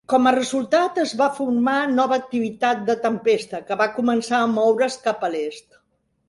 Com a resultat, es va formar nova activitat de tempesta, que va començar a moure's cap a l'est.